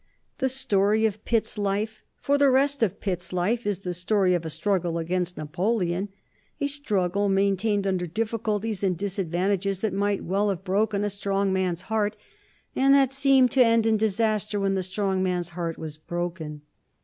The story of Pitt's life, for the rest of Pitt's life, is the story of a struggle against Napoleon, a struggle maintained under difficulties and disadvantages that might well have broken a strong man's heart, and that seemed to end in disaster when the strong man's heart was broken.